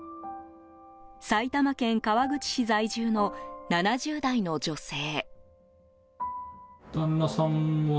埼玉県川口市在住の７０代の女性。